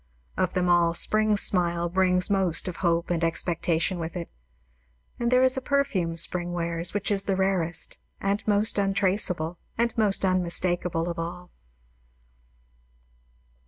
Of them all, Spring's smile brings most of hope and expectation with it. And there is a perfume Spring wears, which is the rarest, and most untraceable, and most unmistakeable, of all.